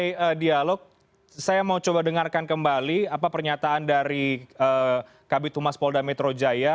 sebelum kita mulai dialog saya mau coba dengarkan kembali apa pernyataan dari kabitumas polda metro jaya